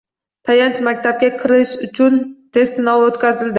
Tayanch-maktabga kirish uchun test sinovi o‘tkazildi